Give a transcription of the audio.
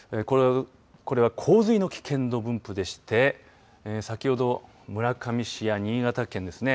これは洪水の危険度分布でして先ほど、村上市や新潟県ですね